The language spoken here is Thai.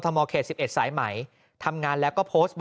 กรุงเทพฯมหานครทำไปแล้วนะครับ